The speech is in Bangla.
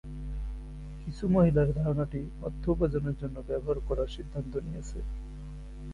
কিছু মহিলার ধারণাটি অর্থ উপার্জনের জন্য ব্যবহার করার সিদ্ধান্ত নিয়েছে।